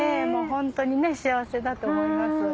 ホントに幸せだと思います。